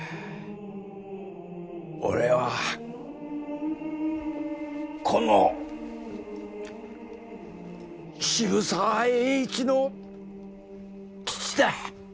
俺は、この渋沢栄一の父だ。